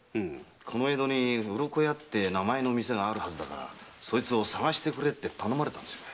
この江戸にうろこやって名前の店があるはずだからそいつを探してくれって頼まれたんですよ。